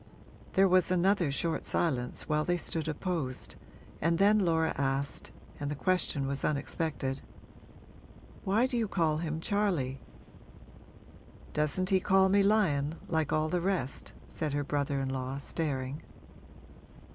There was another short silence while they stood opposed, and then Laura asked and the question was unexpected 'Why do you call him Charley?' 'Doesn't he call me Lion, like all the rest?' said her brother in law, staring.